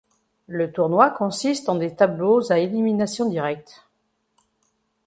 Le tournoi consiste en des tableaux à élimination directe.